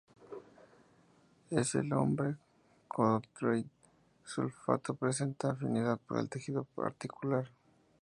En el hombre, condroitín sulfato presenta afinidad por el tejido articular.